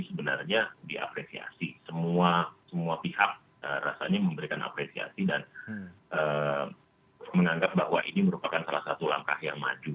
sebenarnya diapresiasi semua pihak rasanya memberikan apresiasi dan menganggap bahwa ini merupakan salah satu langkah yang maju